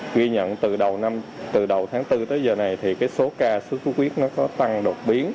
ghi nhận từ đầu tháng bốn tới giờ này thì cái số ca sốt xuất huyết nó có tăng đột biến